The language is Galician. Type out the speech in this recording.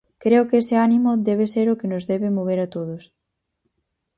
Creo que ese ánimo debe ser o que nos debe mover a todos.